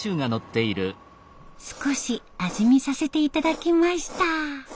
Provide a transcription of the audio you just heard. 少し味見させて頂きました。